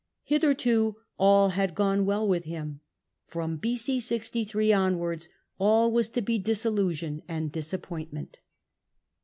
Hitherto all had gone well with him ; from B.c. 63 onwards all was to be disillusion ami disappointment.